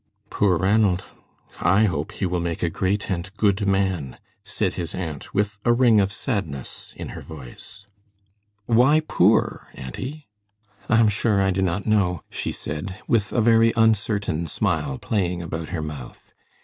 "Poor Ranald! I hope he will make a great and good man," said his aunt, with a ring of sadness in her voice. "Why poor, auntie?" "I'm sure I do not know," she said, with a very uncertain smile playing about her mouth.